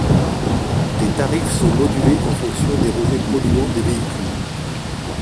Les tarifs sont modulés en fonction des rejets polluants des véhicules.